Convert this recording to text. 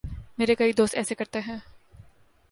میرے کئی دوست ایسے کرتے ہیں۔